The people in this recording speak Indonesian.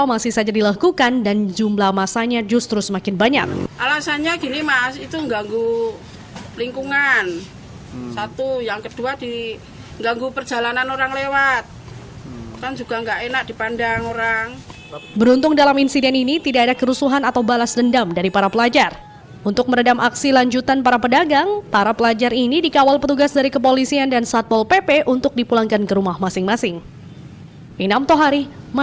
aksi tersebut dilakukan karena warga jengkel dengan suara bising kenal pot sepeda motor